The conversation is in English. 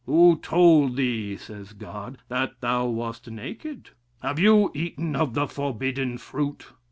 Who told thee, says God, that thou wast naked? Have you eaten of the forbidden fruit?